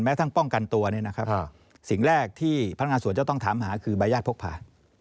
ทั้งป้องกันตัวเนี่ยนะครับสิ่งแรกที่พนักงานสวนจะต้องถามหาคือใบยาทพกผ่าน